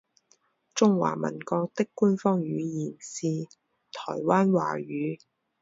中华民国的官方语言是台湾华语。